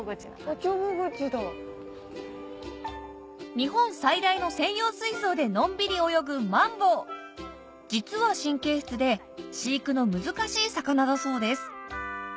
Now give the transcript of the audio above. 日本最大の専用水槽でのんびり泳ぐマンボウ実は神経質で飼育の難しい魚だそうです